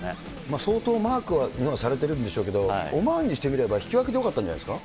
相当マークは日本はされてるんでしょうけれども、オマーンにしてみれば、引き分けでよかったんじゃないですか。